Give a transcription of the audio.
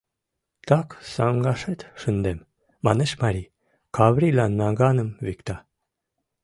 — Так саҥгашет шындем, — манеш марий, Каврийлан наганым викта.